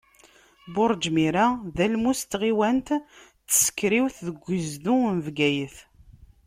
Burǧ Mira d almus n tɣiwant n Tsekriwt, deg ugezdu n Bgayet.